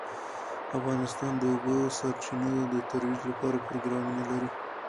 افغانستان د د اوبو سرچینې د ترویج لپاره پروګرامونه لري.